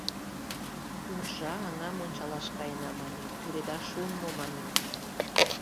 Уржа аҥам ончалаш каена, маньым, тӱредаш шуын мо, маньым.